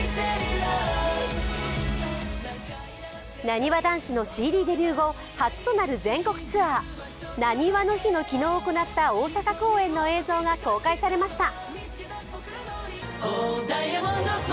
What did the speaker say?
なにわ男子のＣＤデビュー後初となる全国ツアー、なにわの日の昨日行った大阪公演の映像が公開されました。